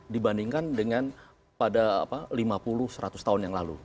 dibandingkan dengan pada lima puluh seratus tahun yang lalu